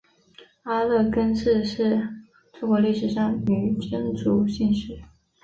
阿勒根氏是中国历史上女真族姓氏。